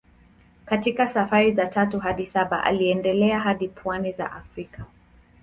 Katika safari za tatu hadi saba aliendelea hadi pwani za Afrika.